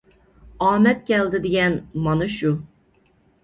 ئامەت كەلدى دېگەن مانا شۇ!